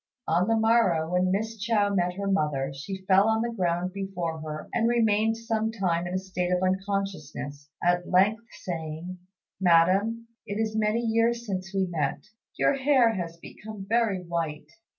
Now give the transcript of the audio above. On the morrow when Miss Chao met her mother, she fell on the ground before her and remained some time in a state of unconsciousness, at length saying, "Madam, it is many years since we met; your hair has become very white."